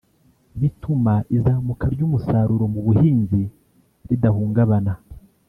bituma izamuka ry’ umusaruro mu buhinzi ridahungabana